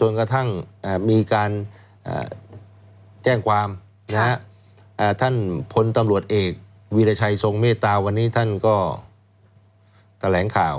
จนกระทั่งมีการแจ้งความท่านพลตำรวจเอกวีรชัยทรงเมตตาวันนี้ท่านก็แถลงข่าว